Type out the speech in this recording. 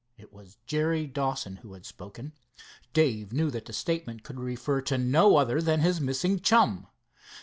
It was Jerry Dawson who had spoken. Dave knew that the statement could refer to no other than his missing chum.